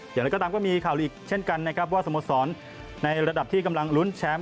อย่างไรก็ตามก็มีข่าวหลีกเช่นกันนะครับว่าสโมสรในระดับที่กำลังลุ้นแชมป์